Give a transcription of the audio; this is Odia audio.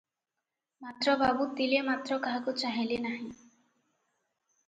ମାତ୍ର ବାବୁ ତିଳେ ମାତ୍ର କାହାକୁ ଚାହିଁଲେ ନାହିଁ ।